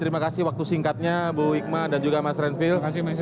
terima kasih waktu singkatnya bu ikma dan juga mas renvil